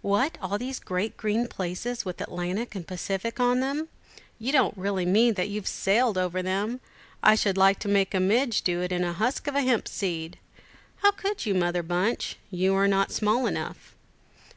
"What, all these great green places, with Atlantic and Pacific on them; you don't really mean that you've sailed over them! I should like to make a midge do it in a husk of hemp seed! How could you, Mother Bunch? You are not small enough."